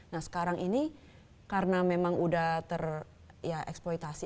nah sekarang ini karena memang udah ter exploitasi